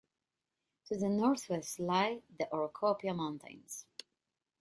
To the northwest lie the Orocopia Mountains.